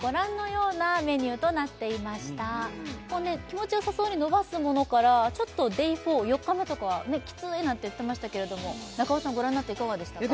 気持ちよさそうにのばすものからちょっとＤａｙ４４日目とかはキツいなんて言ってましたけれども中尾さんご覧になっていかがでしたか？